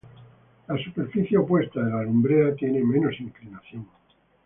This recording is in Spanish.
La superficie opuesta de la lumbrera tiene menos inclinación.